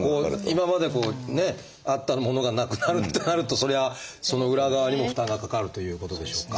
今までこうねあったものがなくなるってなるとそりゃあその裏側にも負担がかかるということでしょうか？